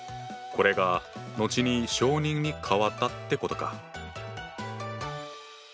これが後に小人に変わったってことか。